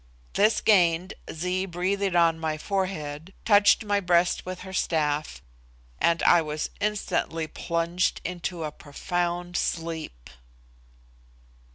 This gained, Zee breathed on my forehead, touched my breast with her staff, and I was instantly plunged into a profound sleep.